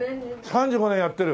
３５年やってる？